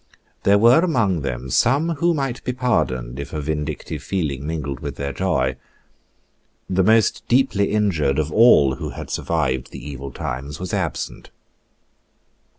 There were among them some who might be pardoned if a vindictive feeling mingled with their joy. The most deeply injured of all who had survived the evil times was absent.